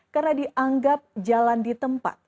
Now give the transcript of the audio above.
karena dianggap jalan di tempat